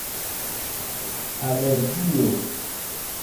alergio